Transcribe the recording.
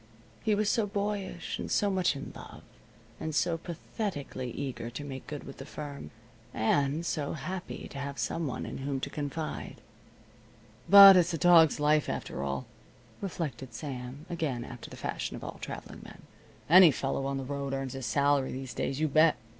He was so boyish, and so much in love, and so pathetically eager to make good with the firm, and so happy to have some one in whom to confide. "But it's a dog's life, after all," reflected Sam, again after the fashion of all traveling men. "Any fellow on the road earns his salary these days, you bet.